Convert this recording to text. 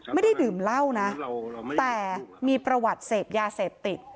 ไม่ได้ดื่มเหล้านะแต่มีประวัติเสพยาเสพติด